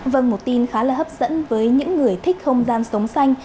vâng một tin khá là hấp dẫn với những người thích không gian sống xanh